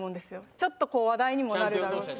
ちょっと話題にもなるだろうし。